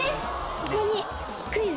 ここに「クイズ！